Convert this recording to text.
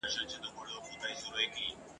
د خرڅ خوراک د برابرولو لپاره ..